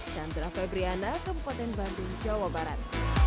chandra febriana kabupaten bandung jawa barat